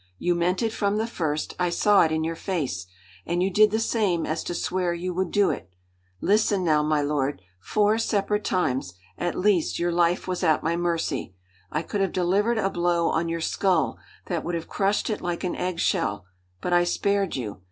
You meant it from the first; I saw it in your face, and you did the same as to swear you would do it. Listen, now, my lord: four separate times, at least, your life was at my mercy. I could have delivered a blow on your skull that would have crushed it like an egg shell; but I spared you.